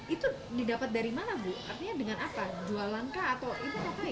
itu didapat dari mana bu artinya dengan apa jualan kah